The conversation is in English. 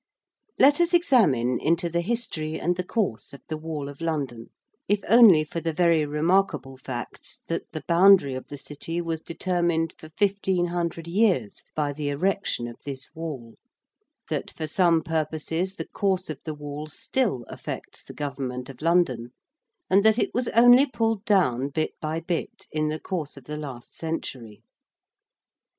Let us examine into the history and the course of the Wall of London, if only for the very remarkable facts that the boundary of the City was determined for fifteen hundred years by the erection of this Wall; that for some purposes the course of the Wall still affects the government of London; and that it was only pulled down bit by bit in the course of the last century.